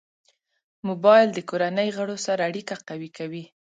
موبایل د کورنۍ غړو سره اړیکه قوي کوي.